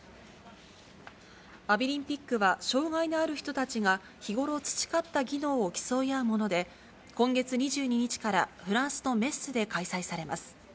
アビリンピックは、障がいのある人たちが、日頃培った技能を競い合うもので、今月２２日からフランスのメッスで開催されます。